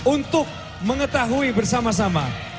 untuk mengetahui bersama sama